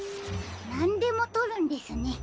なんでもとるんですね。